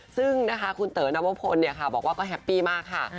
ซึ่งนะคะคุณเต๋อนวพลบอกว่าก็แฮปปี้มากค่ะ